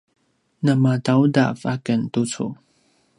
namadaudav aken tucu